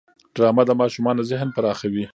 ډرامه د ماشومانو ذهن پراخوي